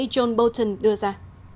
john bolton đưa ra